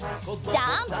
ジャンプ！